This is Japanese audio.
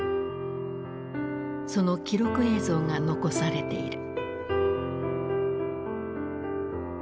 その記録映像が残されている。